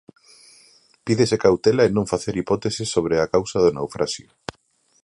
Pídese cautela e non facer hipóteses sobre a causa do naufraxio.